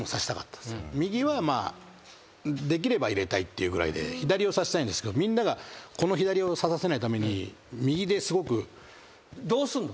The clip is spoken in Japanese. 右はできれば入れたいっていうぐらいで左を差したいんですけどみんながこの左を差させないために右ですごく。